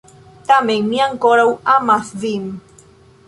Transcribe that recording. Tamen, mi ankoraŭ amas vin.